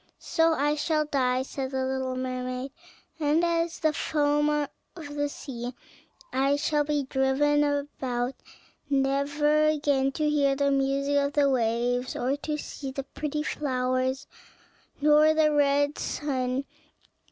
"So I shall die," said the little mermaid, "and as the foam of the sea I shall be driven about never again to hear the music of the waves, or to see the pretty flowers nor the red sun.